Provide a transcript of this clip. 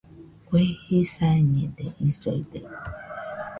Kue jisañede isoide